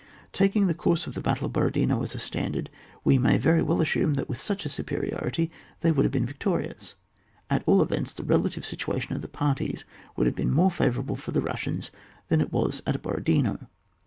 Taking the course of the battle of Borodino as a standard, we may very well assume that with such a superiority they would have been vic torious. At all events, the relative situ ation of the parties would have been more favourable for the Bussians than it was at Borodino.